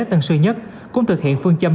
tân sư nhất cũng thực hiện phương châm